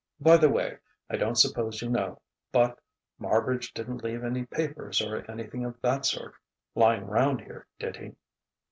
By the way, I don't suppose you know, but Marbridge didn't leave any papers or anything of that sort lying round here, did he?"